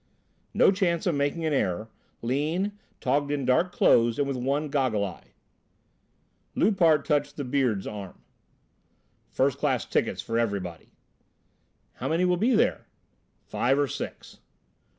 "No chance of making an error. Lean, togged in dark clothes and with one goggle eye." Loupart touched the "Beard's" arm. "First class tickets for everybody." "How many will there be?" "Five or six."